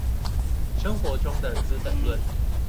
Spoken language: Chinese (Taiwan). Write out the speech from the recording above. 生活中的資本論